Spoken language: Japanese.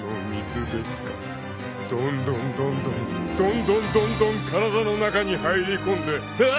［どんどんどんどんどんどんどんどん体の中に入り込んでうわ！］